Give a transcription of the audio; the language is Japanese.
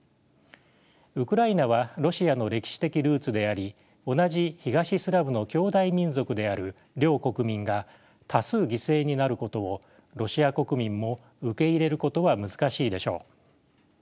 ウクライナはロシアの歴史的ルーツであり同じ東スラブの兄弟民族である両国民が多数犠牲になることをロシア国民も受け入れることは難しいでしょう。